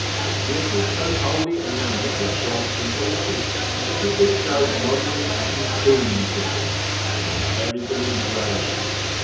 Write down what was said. Adrian was so wholly enamoured with dogs and horses, that he bestowed monuments and tombs of them, and buried them in graves.